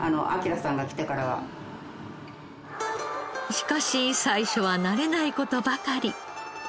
しかし最初は慣れない事ばかり。